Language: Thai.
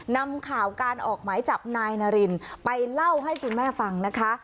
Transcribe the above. นำข่าวการออกหมายจับนายนารินไปเล่าให้คุณแม่ฟังนะคะ